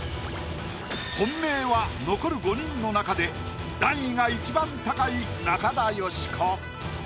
本命は残る５人の中で段位が一番高い中田喜子。